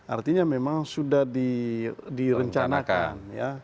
artinya memang sudah direncanakan